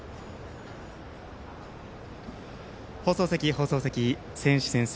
放送席、選手宣誓